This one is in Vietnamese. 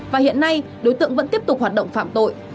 và hiện nay đối tượng vẫn tiếp tục hoạt động phạm tội